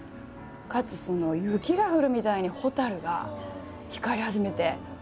かつ雪が降るみたいにホタルが光り始めて。